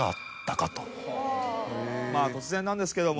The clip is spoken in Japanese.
突然なんですけども。